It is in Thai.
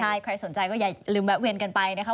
ใช่ใครสนใจก็อย่าลืมแวะเวียนกันไปนะคะ